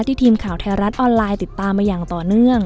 ทีมข่าวไทยรัฐออนไลน์ติดตามมาอย่างต่อเนื่อง